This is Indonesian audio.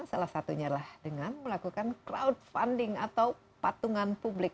salah satunya adalah dengan melakukan crowdfunding atau patungan publik